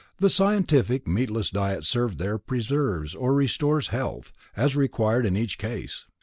The scientific meatless diet served there preserves or restores health, as required in each case.